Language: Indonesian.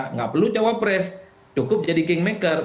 nggak perlu cawapres cukup jadi kingmaker